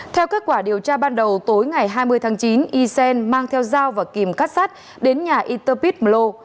theo kết quả điều tra ban đầu tối ngày hai mươi tháng chín ysen mang theo dao và kìm cắt sắt đến nhà yterpit mlo